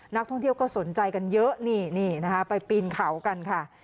นักท่องเที่ยวก็สนใจกันเยอะนี่นี่นะคะไปปีนเขากันค่ะ